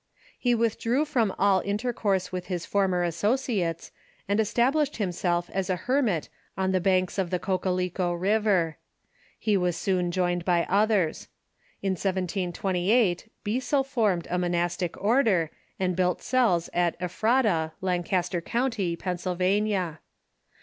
He withdrew from all inter course with his former associates, and established himself as a hermit on the banks of the Cocalico River. He was soon joined by others. In 1728 Beissel formed a monastic order, and built cells at Ephrata, Lancaster Count} , Pennsylvania.